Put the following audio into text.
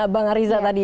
bang ariza tadi